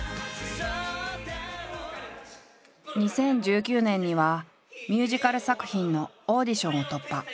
２０１９年にはミュージカル作品のオーディションを突破。